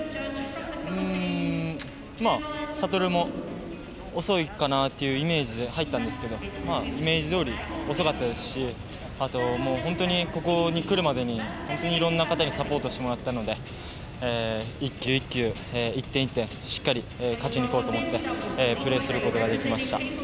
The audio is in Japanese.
シャトルも遅いかなというイメージで入ったんですけどイメージどおり遅かったですしあと、本当にここに来るまでにいろんな方にサポートしてもらったので１球１球、１点１点しっかり勝ちにいこうと思ってプレーすることができました。